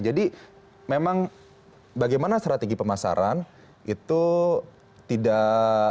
jadi memang bagaimana strategi pemasaran itu tidak